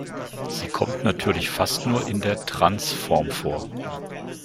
Sie kommt natürlich fast nur in der "trans"-Form vor.